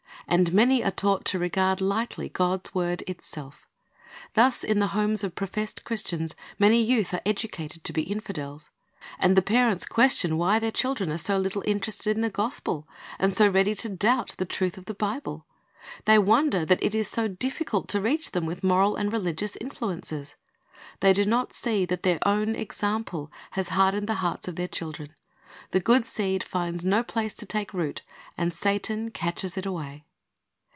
And many are taught to regard hghtly God's word itself. Thus in the homes of professed Christians many youth are educated to be infidels. And the parents question why their children are so little interested in the gospel, and so ready to doubt the truth of the Bible. They wonder that it is so difficult to reach them with moral and religious influences. They do not see that their own example has hardened the hearts of their children. The good seed finds no place to take root, and Satan catches it away.